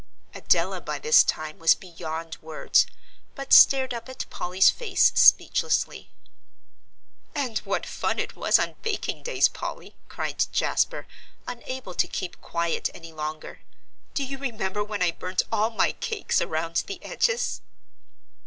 Adela by this time was beyond words, but stared up at Polly's face speechlessly. "And what fun it was on baking days, Polly," cried Jasper, unable to keep quiet any longer; "do you remember when I burnt all my cakes around the edges?"